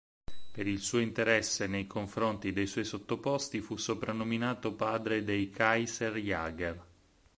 Per il suo interesse nei confronti dei suoi sottoposti fu soprannominato "padre dei Kaiserjäger".